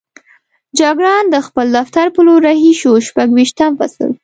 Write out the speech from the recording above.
جګړن د خپل دفتر په لور رهي شو، شپږویشتم فصل.